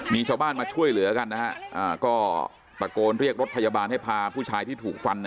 มีชาวบ้านมาช่วยเหลือกันนะฮะก็ตะโกนเรียกรถพยาบาลให้พาผู้ชายที่ถูกฟัน